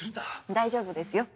大丈夫ですよ。